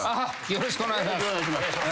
よろしくお願いします。